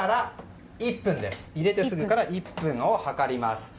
入れてすぐから１分を計ります。